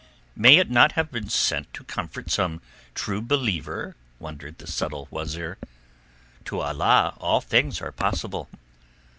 "May it not have been sent to comfort some True Believer?" wondered the subtle wazeer. "To Allah all things are possible."